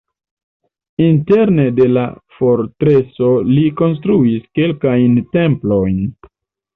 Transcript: Interne de la fortreso li konstruis kelkajn templojn.